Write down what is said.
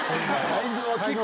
泰造は結構。